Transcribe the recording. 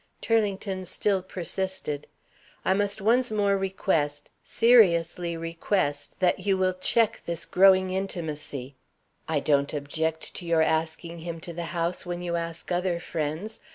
Turlington still persisted. "I must once more request seriously request that you will check this growing intimacy. I don't object to your asking him to the house when you ask other friends.